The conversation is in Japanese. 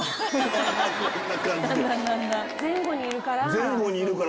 前後にいるから。